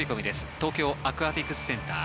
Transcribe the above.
東京アクアティクスセンター。